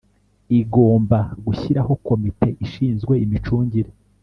Igomba gushyiraho komite ishinzwe imicungire